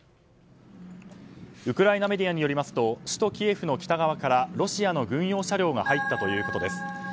ウクライナメディアによりますと首都キエフの北側からロシアの軍用車両が入ったということです。